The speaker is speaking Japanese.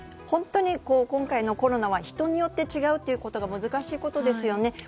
本当に今回のコロナは人によって違うというところが難しいですよね。